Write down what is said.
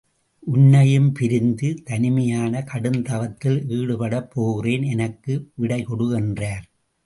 உன்னையும் பிரிந்து தனிமையான கடுந்தவத்தில் ஈடுபடப் போகிறேன் எனக்கு விடைகொடு என்றார்.